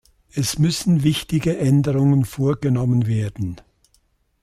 Es müssen wichtige Änderungen vorgenommen werden.